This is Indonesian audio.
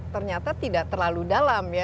ternyata tidak terlalu dalam ya